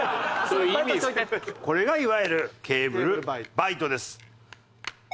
これがいわゆるケーブルバイトです。